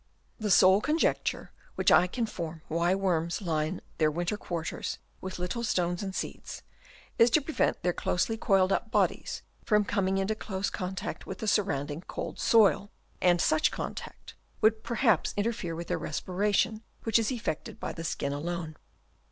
The sole conjecture which I can form why worms line their winter quarters with little stones and seeds, is to prevent their closely coiled up bodies from coming into close contact with the surrounding cold soil ; and such contact would perhaps interfere with their respiration which is effected by the skin alone.